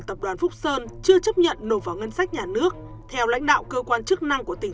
tập đoàn phúc sơn chưa chấp nhận nộp vào ngân sách nhà nước theo lãnh đạo cơ quan chức năng của tỉnh